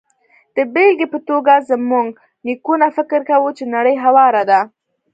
د بېلګې په توګه، زموږ نیکونو فکر کاوه چې نړۍ هواره ده.